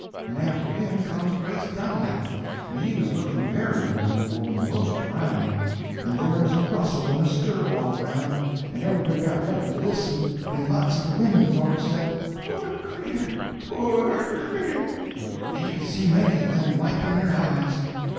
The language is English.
And after him comes Brace Dunlap, and he was looking very mournful, and most crying; and there was a rustle and a stir all around, and everybody got ready to listen, and lots of the women folks said, "Poor cretur, poor cretur," and you could see a many of them wiping their eyes.